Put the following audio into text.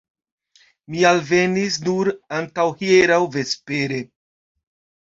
Mi alvenis nur antaŭhieraŭ vespere.